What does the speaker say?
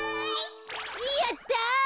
やった！